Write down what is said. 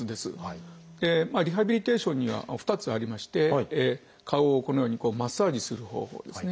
リハビリテーションには２つありまして顔をこのようにマッサージする方法ですね。